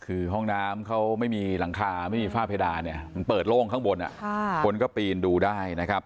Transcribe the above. คือห้องน้ำเขาไม่มีหลังคาไม่มีฝ้าเพดานเนี่ยมันเปิดโล่งข้างบนคนก็ปีนดูได้นะครับ